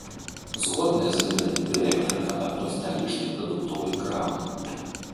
Згодная з гэтым і дырэктарка адной сталічнай прадуктовай крамы.